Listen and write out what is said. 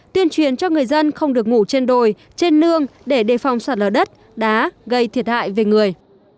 tuyên truyền cho người dân không được ngủ trên đồi trên nương để đề phòng sạt lở đất đá gây thiệt hại về người